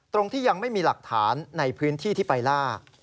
ที่ยังไม่มีหลักฐานในพื้นที่ที่ไปล่า